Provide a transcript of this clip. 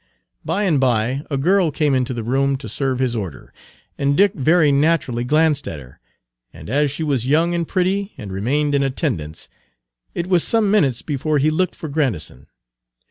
By and by a girl came into the room to serve his order, and Dick very naturally glanced at her; and as she was young and pretty and remained in attendance, it was some minutes before he looked for Grandison.